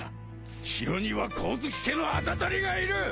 城には光月家の跡取りがいる！